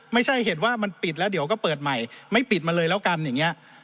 ไม่ใช่เหตุว่ามันปิดแล้วเดี๋ยวก็เปิดใหม่ไม่ปิดมาเลยแล้วกันอย่างนี้